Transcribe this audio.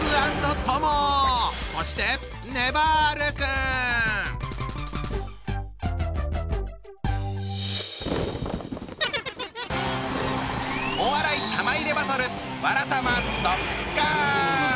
そしてお笑い玉入れバトル